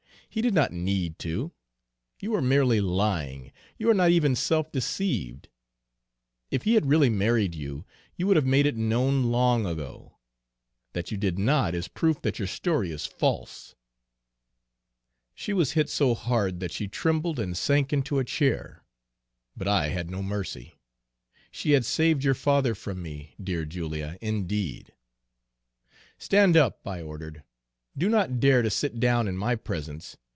He did not need to! You are merely lying, you are not even self deceived. If he had really married you, you would have made it known long ago. That you did not is proof that your story is false.' "She was hit so hard that she trembled and sank into a chair. But I had no mercy she had saved your father from me 'dear Julia,' indeed! "'Stand up,' I ordered. 'Do not dare to sit down in my presence.